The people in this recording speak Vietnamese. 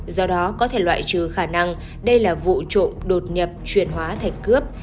do đó có thể loại trừ khả năng đây là vụ trộm đột nhập chuyển hóa thành cướp